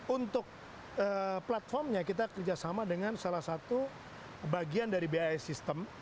untuk platformnya kita kerjasama dengan salah satu bagian dari bi system